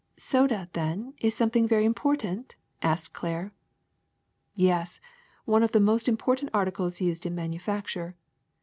'^ ^'Soda, then, is something very important!" asked Claire. '^Yes, one of the most important articles used in manufacture.